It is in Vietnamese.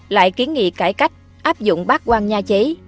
lại kiến nghị cải cách áp dụng bác quan nhà chế